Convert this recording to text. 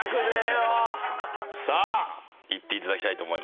さあいっていただきたいと思います。